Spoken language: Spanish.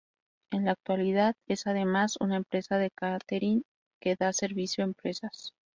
En la actualidad es además una empresa de cáterin que da servicio a empresas.